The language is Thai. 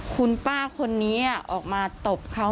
คุณป้าคนนี้ออกมาตบเขา